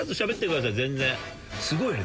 すごいね！